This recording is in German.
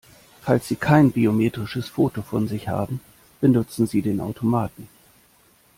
Falls Sie kein biometrisches Foto von sich haben, benutzen Sie den Automaten!